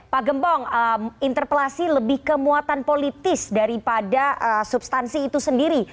pak gembong interpelasi lebih ke muatan politis daripada substansi itu sendiri